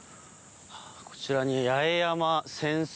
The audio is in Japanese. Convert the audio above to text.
こちらに八重山戦争